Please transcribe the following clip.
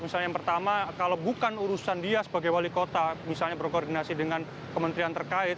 misalnya yang pertama kalau bukan urusan dia sebagai wali kota misalnya berkoordinasi dengan kementerian terkait